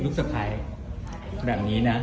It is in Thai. ลูกสไปร์แบบนี้นะ